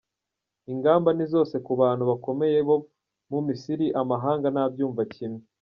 Ingamba ni zose ku bantu bakomeye bo mu Misiri amahanga ntabyumva kimwe.